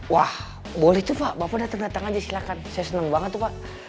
wah boleh tuh pak bapak dateng dateng aja silahkan saya seneng banget tuh pak